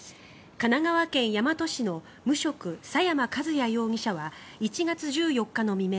神奈川県大和市の無職佐山和也容疑者は１月１４日の未明